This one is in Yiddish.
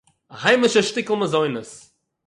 א היימישע שטיקל מזונות